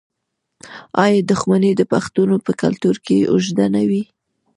آیا دښمني د پښتنو په کلتور کې اوږده نه وي؟